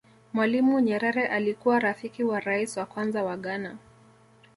mwalimu nyerere alikuwa rafiki wa rais wa kwanza wa ghana